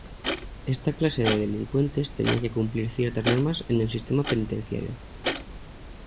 Esta clase de delincuentes tenía que cumplir ciertas normas en el sistema penitenciario.